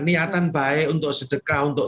niatan baik untuk sedekah untuk